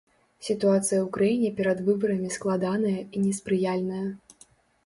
Сітуацыя у краіне перад выбарамі складаная і неспрыяльная.